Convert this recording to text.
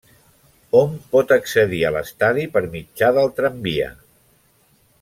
Hom pot accedir a l'estadi per mitjà del tramvia.